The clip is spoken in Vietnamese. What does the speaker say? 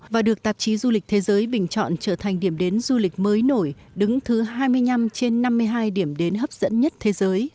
và được tạp chí du lịch thế giới bình chọn trở thành điểm đến du lịch mới nổi đứng thứ hai mươi năm trên năm mươi hai điểm đến hấp dẫn nhất thế giới